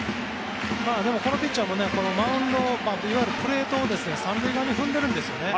でもこのピッチャーもマウンドいわゆるプレートを３塁側に踏んでいるんですね。